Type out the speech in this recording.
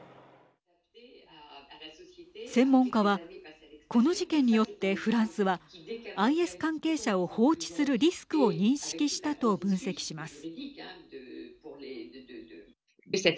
専門家はこの事件によってフランスはＩＳ関係者を放置するリスクを認識したと分析します。